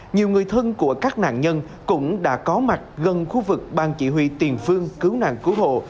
nhiều người thân của các nạn nhân cũng đã có mặt gần khu vực ban chỉ huy tiền phương cứu nạn cứu hộ